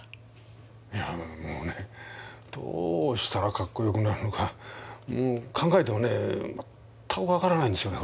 いやもうねどうしたらかっこよくなるのか考えてもね全く分からないんですよね